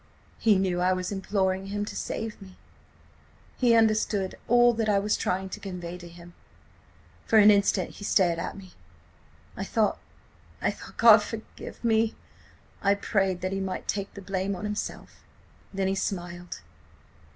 He knew I was imploring him to save me. He understood all that I was trying to convey to him. For an instant he stared at me. I thought–I thought–God forgive me, I prayed that he might take the blame on himself. Then he smiled.